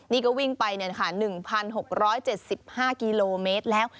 นี่ก็วิ่งไป๑๖๗๕กิโลเมตรแล้ว